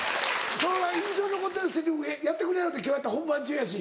印象に残ってるセリフやってくれはるで今日やったら本番中やし。